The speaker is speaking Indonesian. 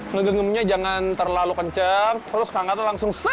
ngegenggamnya jangan terlalu kencang terus kangkatnya langsung set